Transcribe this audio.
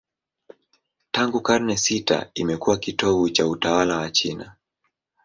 Tangu karne sita imekuwa kitovu cha utawala wa China.